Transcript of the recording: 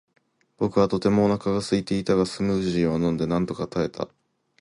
僕はとてもお腹がすいていたが、スムージーを飲んでなんとか耐えた。